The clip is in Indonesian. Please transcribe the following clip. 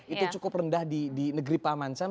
itu cukup rendah di negeri paman sam